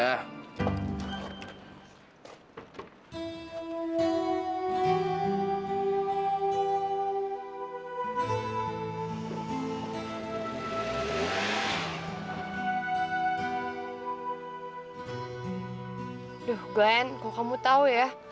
aduh glenn kalau kamu tau ya